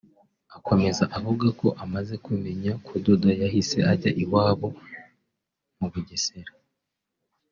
Akomeza avuga ko amaze kumenya kudoda yahise ajya iwabo mu Bugesera